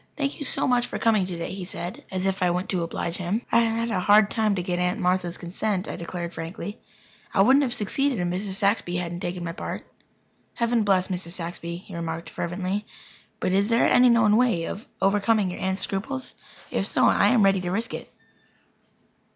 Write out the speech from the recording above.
"Thank you so much for coming today," he said as if I went to oblige him. "I had a hard time to get Aunt Martha's consent," I declared frankly. "I wouldn't have succeeded if Mrs. Saxby hadn't taken my part." "Heaven bless Mrs. Saxby," he remarked fervently. "But is there any known way of overcoming your aunt's scruples? If so, I am ready to risk it."